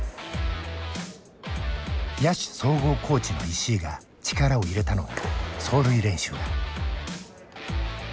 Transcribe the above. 野手総合コーチの石井が力を入れたのが走塁練習だ。